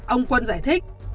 ông quân giải thích